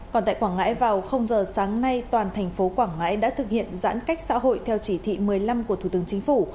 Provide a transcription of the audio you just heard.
còn tại quảng ngãi vào giờ sáng nay toàn thành phố quảng ngãi đã thực hiện giãn cách xã hội theo chỉ thị một mươi năm của thủ tướng chính phủ